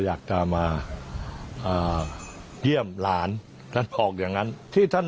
อยากจะมาอ่าเยี่ยมหลานท่านบอกอย่างนั้นที่ท่าน